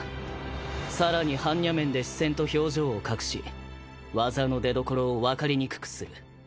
さらに般若面で視線と表情を隠し技の出どころを分かりにくくする。